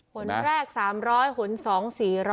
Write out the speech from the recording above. ขนแรก๓๐๐ขนสอง๔๐๐